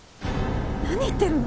何言ってるの？